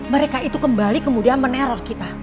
mereka itu kembali kemudian meneror kita